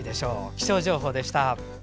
気象情報でした。